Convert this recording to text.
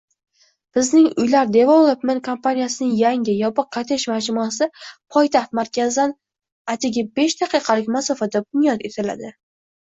Bizning Uylar Development kompaniyasining yangi, yopiq kottej majmuasi poytaxt markazidan atigibeshdaqiqalik masofada bunyod etiladi